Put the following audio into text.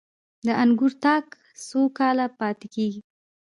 د انګورو تاک څو کاله پاتې کیږي؟